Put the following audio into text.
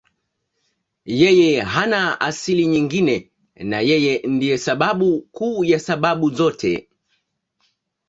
Yeye hana asili nyingine na Yeye ndiye sababu kuu ya sababu zote.